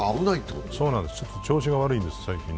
調子が悪いんですよね。